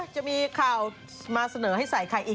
จะมีข่าวมาเสนอให้ใส่ใครอีก